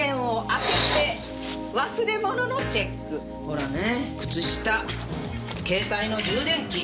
ほらね靴下携帯の充電器。